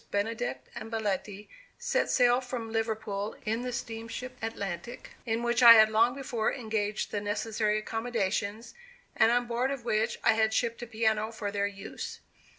Benedict and Belletti, set sail from Liverpool in the steamship Atlantic, in which I had long before engaged the necessary accommodations, and on board of which I had shipped a piano for their use.